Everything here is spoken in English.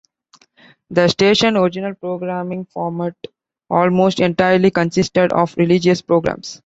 The station's original programming format almost entirely consisted of religious programs.